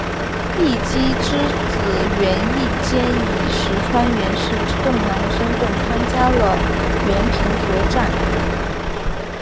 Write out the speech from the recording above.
义基之子源义兼以石川源氏之栋梁的身份参加了源平合战。